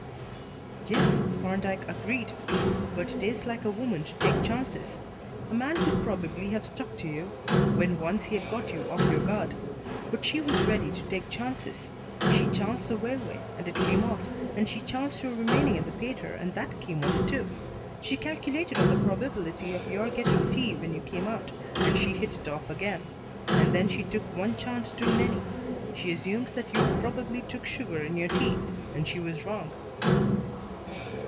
"Yes," Thorndyke agreed. "But it is like a woman to take chances. A man would probably have stuck to you when once he had got you off your guard. But she was ready to take chances. She chanced the railway, and it came off; she chanced your remaining in the theatre, and that came off too. She calculated on the probability of your getting tea when you came out, and she hit it off again. And then she took one chance too many; she assumed that you probably took sugar in your tea, and she was wrong."